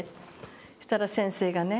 そしたら先生がね